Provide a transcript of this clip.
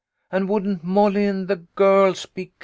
and wouldn't Molly and the girls be glad